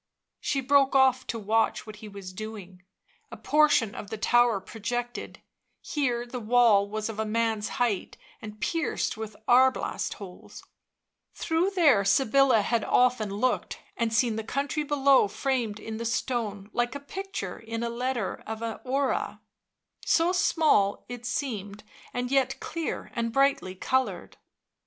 She broke off to watch what he was doing. A portion of the tower projected ; here the wall was of a man's height, and pierced with arblast holes; through there Sybilla had often looked and seen the country below framed in the stone like a picture in a letter of an horae, so small it seemed, and yet clear and brightly coloured.